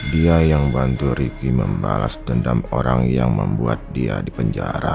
dia yang bantu ricky membalas dendam orang yang membuat dia di penjara